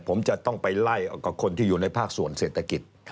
ผมจะต้องไปไล่เอากับคนที่อยู่ในภาคส่วนเศรษฐกิจ